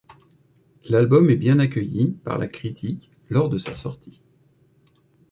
L'album est bien accueilli par la critique lors de sa sortie.